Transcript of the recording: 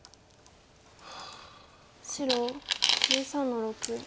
白１３の六ツギ。